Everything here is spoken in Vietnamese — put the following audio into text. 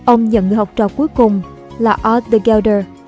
ông nhận người học trò cuối cùng là arthur gelder